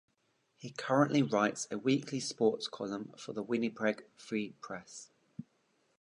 He currently writes a weekly sports column for the "Winnipeg Free Press".